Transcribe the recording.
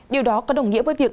điều đó có đồng nghĩa với việc